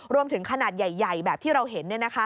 ขนาดใหญ่แบบที่เราเห็น